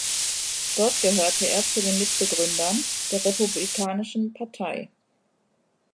Dort gehörte er zu den Mitbegründern der Republikanischen Partei.